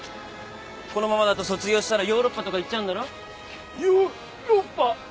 このままだと卒業したらヨーロッパとか行っちゃうんだろ？ヨーロッパ！？